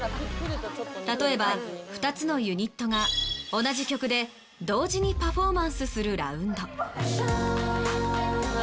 例えば２つのユニットが同じ曲で同時にパフォーマンスするラウンド。